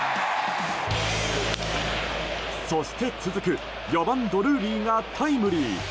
そして続く４番、ドルーリーがタイムリー！